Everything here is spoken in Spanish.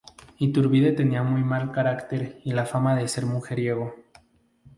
Iturbide tenía muy mal carácter y la fama de ser mujeriego.